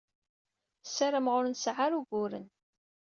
Ssarameɣ ur nseɛɛu ara uguren.